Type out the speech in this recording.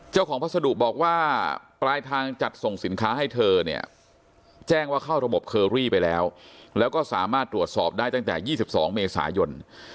พัสดุบอกว่าปลายทางจัดส่งสินค้าให้เธอเนี่ยแจ้งว่าเข้าระบบเคอรี่ไปแล้วแล้วก็สามารถตรวจสอบได้ตั้งแต่๒๒เมษายน